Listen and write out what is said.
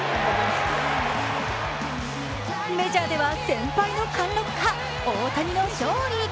メジャーでは先輩の貫禄か、大谷の勝利。